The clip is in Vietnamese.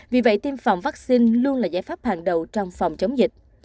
vì vậy tiêm phòng vaccine luôn là giải pháp hàng đầu trong phòng chống dịch